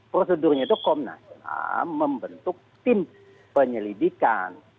prosedurnya itu komnas ham membentuk tim penyelidikan